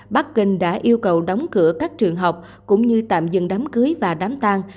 bắc kinh đã yêu cầu đóng cửa các trường học cũng như tạm dừng đám cưới và đám tang